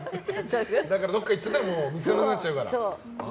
だからどこか行っちゃったら見つからなくなっちゃうから。